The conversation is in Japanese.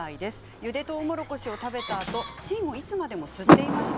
ゆでとうもろこしを食べたあと芯をいつまでも吸っていました。